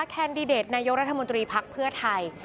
แคนดิเดตนายกรัฐมนตรีภักดิ์เพื่อไทย